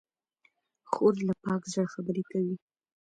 خور له پاک زړه خبرې کوي.